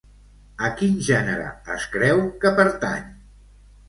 A quin gènere es creu que pertany?